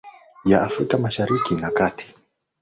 ya afrika mashariki na kati